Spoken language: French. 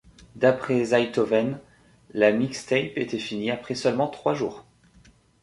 D'après Zaytoven, la mixtape était fini après seulement trois jours.